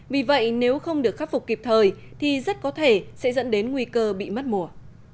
vì vậy nếu không được khắc phục kịp thời thì rất có thể sẽ dẫn đến nguy cơ bị mất mùa